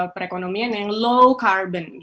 perekonomian yang low carbon